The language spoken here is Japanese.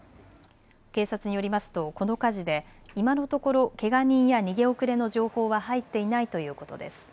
警察によりますとこの火事で今のところ、けが人や逃げ遅れの情報は入っていないということです。